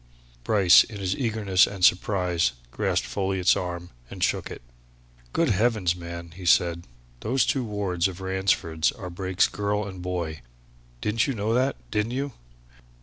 Bryce in his eagerness and surprise grasped Folliot's arm and shook it. "Good heavens, man!" he said. "Those two wards of Ransford's are Brake's girl and boy! Didn't you know that, didn't you?"